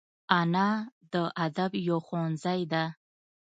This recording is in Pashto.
انا د ادب یو ښوونځی ده